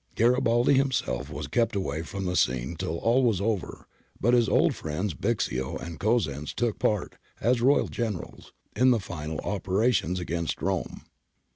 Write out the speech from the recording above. Garibaldi himself was kept away from the scene till all was over, but his old friends Bixio and Cosenz took part, as Royal Generals, in the final opera tions against Rome.